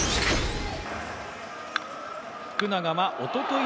福永はおととい